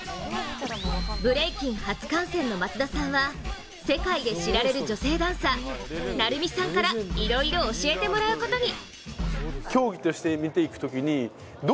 ブレイキン初観戦の松田さんは世界で知られる女性ダンサーＮＡＲＵＭＩさんからいろいろ教えてもらうことに。